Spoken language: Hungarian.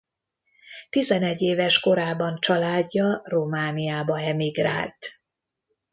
Tizenegy éves korában családja Romániába emigrált.